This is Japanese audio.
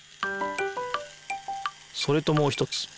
それともう一つ。